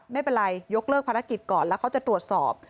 ไม่เป็นไรยกเลิกภารกิจก่อนแล้วเขาจะตรวจสอบ